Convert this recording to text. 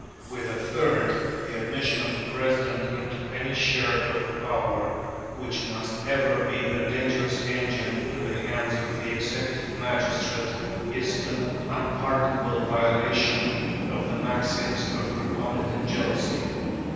With a third the admission of the President into any share of a power which must ever be a dangerous engine in the hands of the executive magistrate is an unpardonable violation of the maxims of republican jealousy.